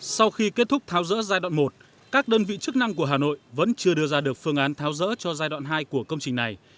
sau khi kết thúc tháo rỡ giai đoạn một các đơn vị chức năng của hà nội vẫn chưa đưa ra được phương án tháo rỡ cho giai đoạn hai của công trình này